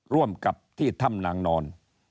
ร่วมกับที่ถ้ำนางนอน